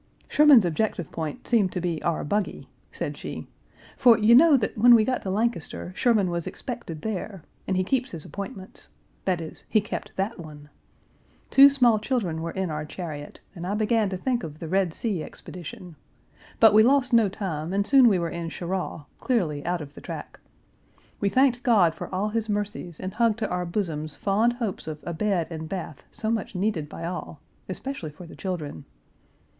"Sherman's objective point Page 371 seemed to be our buggy," said she; "for you know that when we got to Lancaster Sherman was expected there, and he keeps his appointments; that is, he kept that one. Two small children were in our chariot, and I began to think of the Red Sea expedition. But we lost no time, and soon we were in Cheraw, clearly out of the track. We thanked God for all his mercies and hugged to our bosoms fond hopes of a bed and bath so much needed by all, especially for the children.